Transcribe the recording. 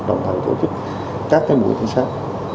đồng thời tổ chức các cái mùi tính xác